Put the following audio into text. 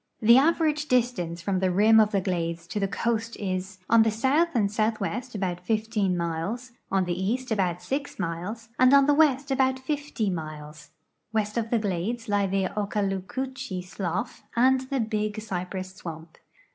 The average distance from the rim of the glades to the coast is : on the south and southwest about 15 miles, on the east about 6 miles, and on the west about 50 miles. West of the glades lie the Okaloocoochee slough and the Big Cypress swamp.